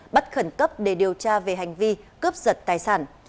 bắt khẩn cấp để điều tra về hành vi cướp giật tài sản